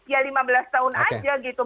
ya lima belas tahun aja gitu